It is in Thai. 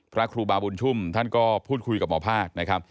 พระครูบาบุญชุ่มท่านก็พูดคุยกับหมอภาคนะครับ